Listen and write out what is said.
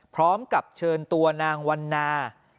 พร้อมกับเชิญตัวนางวันนา